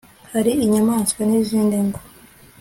hari inyamaswa n'izindi ngo